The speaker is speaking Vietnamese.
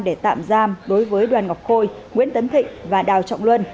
để tạm giam đối với đoàn ngọc khôi nguyễn tấn thịnh và đào trọng luân